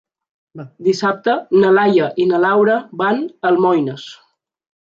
Dissabte na Laia i na Laura van a Almoines.